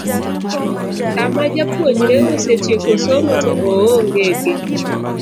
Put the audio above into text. Kama japuonjre osetieko somo to oonge gi